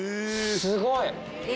すごい！